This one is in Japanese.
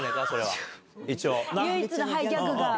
唯一のギャグが。